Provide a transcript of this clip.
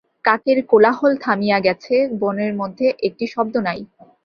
কাকের কোলাহল থামিয়া গেছে, বনের মধ্যে একটি শব্দ নাই।